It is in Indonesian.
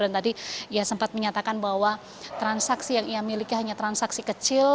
dan tadi ia sempat menyatakan bahwa transaksi yang ia miliki hanya transaksi kecil